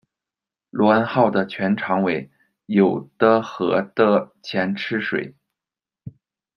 罗恩号的全长为，有的和的前吃水。